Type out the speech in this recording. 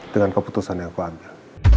dengan keputusan yang aku ambil